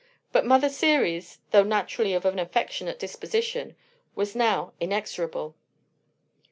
But Mother Ceres, though naturally of an affectionate disposition, was now inexorable.